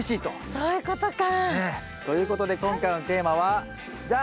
そういうことか！ということで今回のテーマはじゃん！